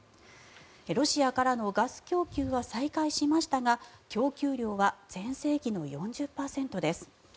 ロシアからのガス供給は再開しましたが供給量は全盛期の４０％です。